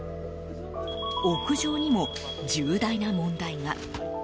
屋上にも重大な問題が。